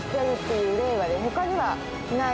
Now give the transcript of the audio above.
他にはないので。